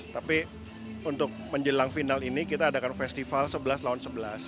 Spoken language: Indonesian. tapi untuk menjelang final ini kita adakan festival sebelas lawan sebelas